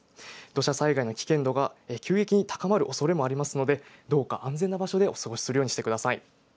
土砂災害の危険度が急激に高まるおそれもありますので、どうか安全な場所でお過ごしするようにしてください。